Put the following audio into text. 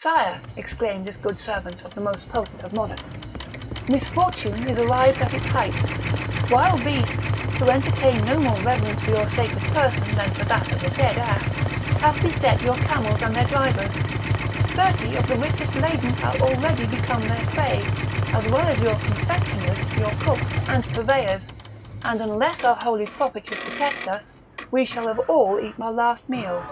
"Sire," exclaimed this good servant of the most potent of monarchs, "misfortune is arrived at its height; wild beasts, who entertain no more reverence for your sacred person than for that of a dead ass, have beset your camels and their drivers; thirty of the richest laden are already become their prey, as well as your confectioners, your cooks, and purveyors; and, unless our holy Prophet should protect us, we shall have all eaten our last meal."